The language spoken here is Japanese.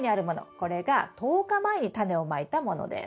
これが１０日前にタネをまいたものです。